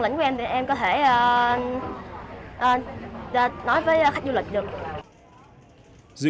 bạn lĩnh của em thì em có thể nói với khách du lịch được